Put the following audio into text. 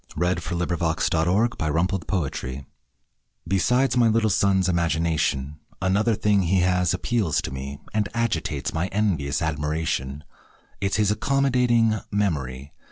HIS MEMORY Besides my little son's imagination, Another thing he has appeals to me And agitates my envious admiration It's his accommodating memory.